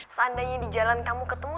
seandainya di jalan kamu ketemu